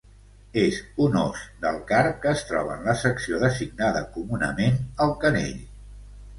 És un os del carp que es troba en la secció designada comunament el canell.